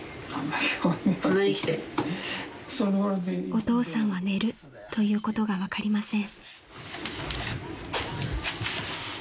［お父さんは寝るということが分かりません］